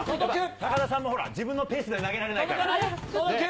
高田さんもほら、自分のペースで投げられないから。